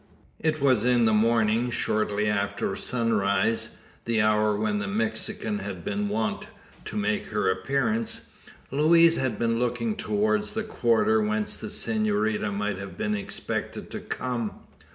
It was in the morning, shortly after sunrise: the hour when the Mexican had been wont to make her appearance. Louise had been looking towards the quarter whence the senorita might have been expected to come.